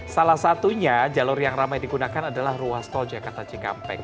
salah satunya jalur yang ramai digunakan adalah ruas tol jakarta cikampek